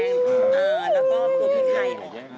และก็ผู้พิคไฮ